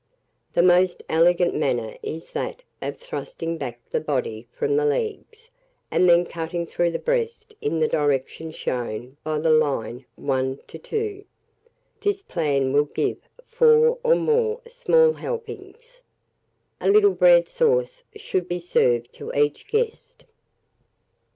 The most elegant manner is that of thrusting back the body from the legs, and then cutting through the breast in the direction shown by the line 1 to 2: this plan will give 4 or more small helpings. A little bread sauce should be served to each guest.